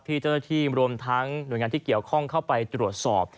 ที่เจ้าหน้าที่รวมทั้งหน่วยงานที่เกี่ยวข้องเข้าไปตรวจสอบ